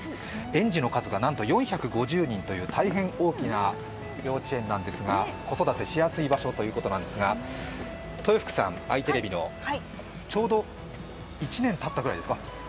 園児の数が４５０人という大変大きな幼稚園なんですが子育てしやすい場所ということなんですがあいテレビの豊福さん、ちょうど１年たったくらいですか？